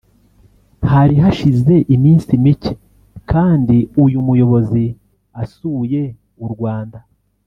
Hari hashize iminsi mike kandi uyu muyobozi asuye u Rwanda